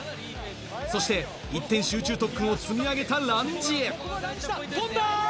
そして一点集中特訓を積み上げたランジへ。